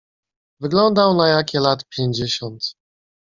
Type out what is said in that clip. "Wyglądał na jakie lat pięćdziesiąt."